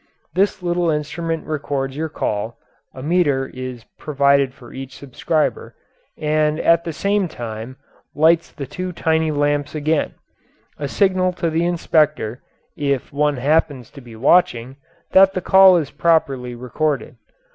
This little instrument records your call (a meter is provided for each subscriber) and at the same time lights the two tiny lamps again a signal to the inspector, if one happens to be watching, that the call is properly recorded.